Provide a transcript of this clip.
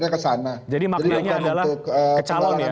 jadi maknanya adalah kecalon ya